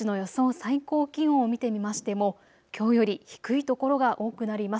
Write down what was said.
最高気温を見てみましても、きょうより低い所が多くなります。